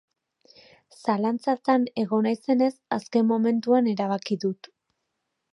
Zalantzatan egon naizenez, azken momentuan erabaki dut.